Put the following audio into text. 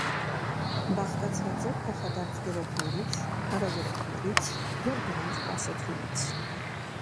Բաղկացած է փոխադարձ գրոհներից, հակագրոհներից և դրանց կասեցումից։